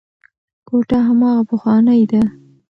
کوټه هماغه پخوانۍ ده.